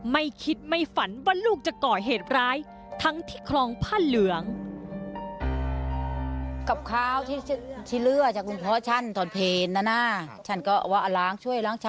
ไม่คิดไม่ฝันว่าลูกจะก่อเหตุร้ายทั้งที่คลองผ้าเหลือง